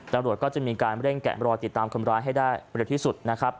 ตำรวจก็จะมีการเร่งแกะรอยติดตามคนร้ายให้ได้เร็วที่สุดนะครับ